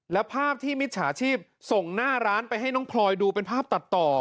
แล้วภาพที่มิจฉาชีพส่งหน้าร้านไปให้น้องพลอยดูเป็นภาพตัดต่อ